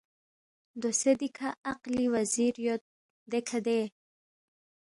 ”دوسے دیکھہ عقلی وزیر یود دیکھہ دے